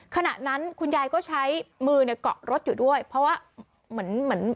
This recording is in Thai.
ขณะนั้นคุณยายก็ใช้มือเนี่ยเกาะรถอยู่ด้วยเพราะว่าเหมือนเหมือน